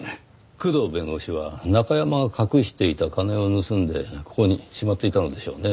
工藤弁護士は中山が隠していた金を盗んでここにしまっていたのでしょうね。